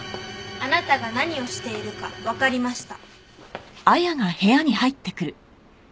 あなたが何をしているかわかりました。